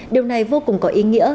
điều này vô cùng có ý nghĩa